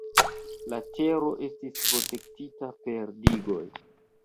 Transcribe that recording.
La tero estis protektita per digoj.